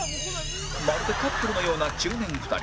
まるでカップルのような中年２人